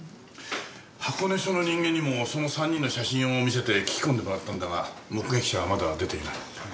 箱根署の人間にもその３人の写真を見せて聞き込んでもらったんだが目撃者はまだ出ていない。